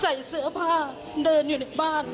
ใส่เสื้อผ้าเดินอยู่ในบ้าน